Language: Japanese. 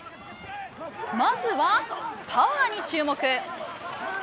まずは、パワーに注目。